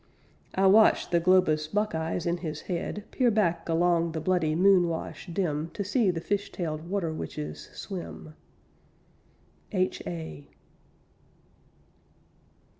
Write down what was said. I watched the globous buckeyes in his head Peer back along the bloody moon wash dim To see the fish tailed water witches swim. H.A.